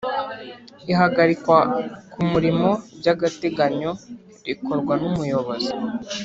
Ihagarikwa ku murimo by’agateganyo rikorwa n’Umuyobozi